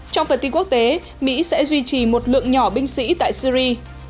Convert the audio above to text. trong phần tin quốc tế mỹ sẽ duy trì một lượng nhỏ binh sĩ tại syri